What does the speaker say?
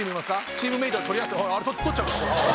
チームメートの取り合ってあれ取っちゃうの。